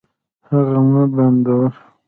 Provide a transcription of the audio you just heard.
هڅه مه بندوه.